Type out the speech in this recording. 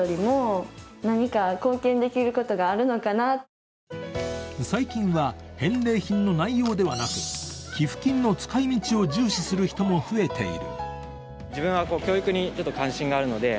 聞くと最近は、返礼品の内容ではなく寄付金の使い道を重視する人も増えている。